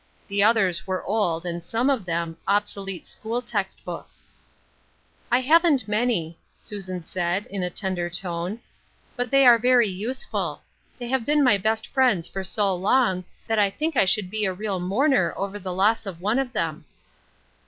The others were old and, some of them, obsolete school text books. "I haven't many," Susan said, in a tender tone, "but they are very useful. They have been my best friends for so long that I think I should be a real mourner over the loss of one of them."